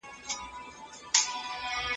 د سترګو سرو لمبو ته دا پتنګ دراچوم